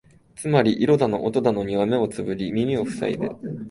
つまり色だの音だのには目をつぶり耳をふさいで、